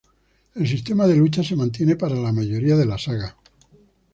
El sistema de lucha se mantiene para la mayoría de la saga.